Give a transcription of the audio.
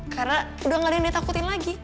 karena udah gak ada yang ditakutin lagi